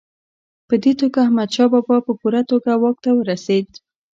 په دې توګه احمدشاه بابا په پوره توګه واک ته ورسېد.